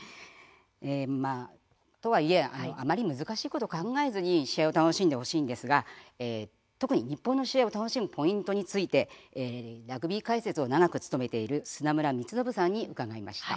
あまり難しいことを考えずに試合を楽しんでほしいんですが特に日本の試合を楽しむポイントについてラグビー解説を長く務めている砂村光信さんに伺いました。